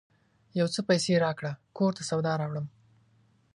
یو څه پیسې راکړه ! کور ته سودا راوړم